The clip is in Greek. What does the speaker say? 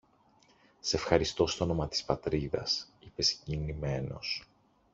Σ' ευχαριστώ στ' όνομα της Πατρίδας, είπε συγκινημένος.